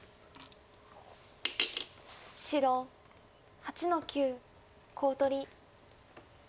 白８の九コウ取り。